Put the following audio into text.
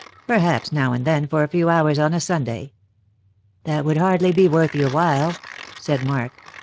" Perhaps now and then for a few hours on a Sunday.* " That would hardly be w^orth your while," said Mark.